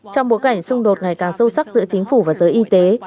trong bối cảnh xung đột ngày càng sâu sắc giữa chính phủ và giới y tế